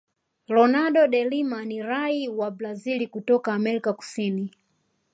ronaldo delima ni rai wa brazil kutoka amerika kusini